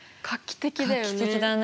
画期的だね。